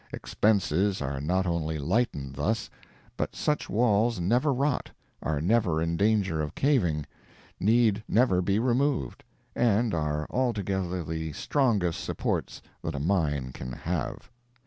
Expenses are not only lightened thus, but such walls never rot, are never in danger of caving, need never be removed, and are altogether the strongest supports that a mine can have.